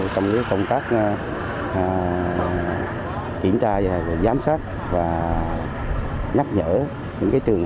trong những công tác kiểm tra và giám sát và nhắc nhở những trường hợp